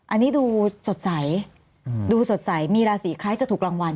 อันนี้ดูสดใสดูสดใสมีราศีคล้ายจะถูกรางวัล